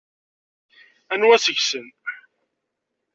Anwa seg-sen?